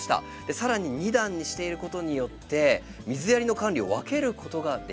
さらに２段にしていることによって水やりの管理を分けることができます。